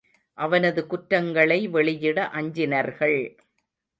அவனது குற்றங்களை வெளியிட அஞ்சினர்கள்.